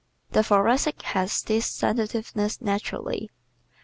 The Thoracic has this sensitiveness naturally.